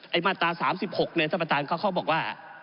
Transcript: ไอ้มาตรา๓๖เนี่ยสำหรับท่านเขาบอกว่า